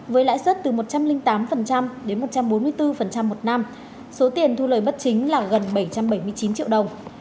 với lãi suất từ một trăm linh tám đến một trăm bốn mươi bốn một năm số tiền thu lời bất chính là gần bảy trăm bảy mươi chín triệu đồng